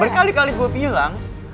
berkali kali gue bilang